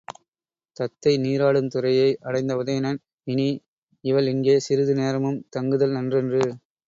தத்தை நீராடும் துறையை அடைந்த உதயணன், இனி இவள் இங்கே சிறிது நேரமும் தங்குதல் நன்றன்று.